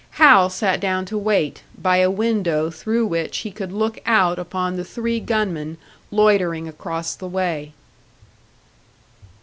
Hal sat down to wait, by a window through which he could look out upon the three gunmen loitering across the way.